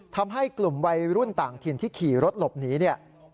ทำให้กลุ่มวัยรุ่นต่างถิ่นที่ขี่รถหลบหนีเนี่ย